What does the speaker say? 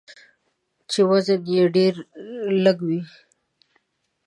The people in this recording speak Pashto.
چې وزن یې ډیر لږوي.